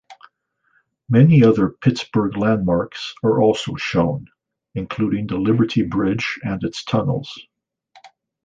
Many other Pittsburgh landmarks are also shown, including the Liberty Bridge and its tunnels.